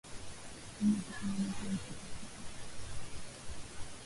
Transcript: kumi itakayoondolewa mpaka siku tutakapoona Mbingu na nchi zimeondoka Lakini kama Mbingu na nchi